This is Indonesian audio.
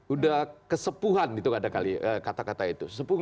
udah kesepuhan gitu kadang kali kata kata itu